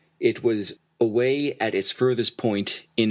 It was away at its furthest point in 1873.